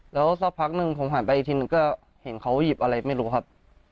แล้วซักพักนึงผมห่างไปอีกทีดูข้างไปเห็นเขาหยิบอะไรไม่รู้ครับ